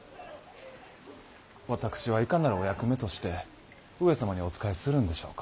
私はいかなるお役目として上様にお仕えするんでしょうか。